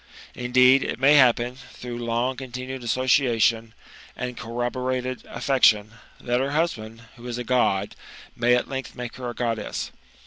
Indeed, it may happen, through long continued association, and corrobated affection, that her husband, who is a God, may at length make her a Goddess.